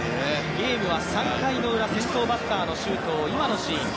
ゲームは３回ウラ、先頭バッターの周東、今のシーン。